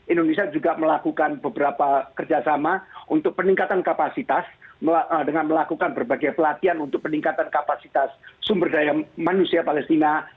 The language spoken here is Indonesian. indonesia juga melakukan beberapa kerjasama untuk peningkatan kapasitas dengan melakukan berbagai pelatihan untuk peningkatan kapasitas sumber daya manusia palestina